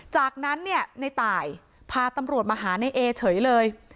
จากนั้นเนี่ยในตายพาตำรวจมาหาในเอเฉยเลย